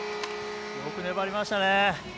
よく粘りましたね。